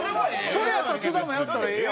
それやったら津田もやったらええやん。